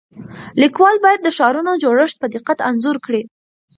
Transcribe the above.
لیکوال باید د ښارونو جوړښت په دقت انځور کړي.